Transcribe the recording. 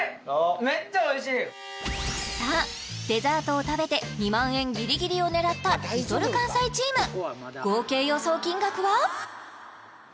めっちゃおいしいさあデザートを食べて２万円ギリギリを狙ったＬｉｌかんさいチーム合計予想金額は？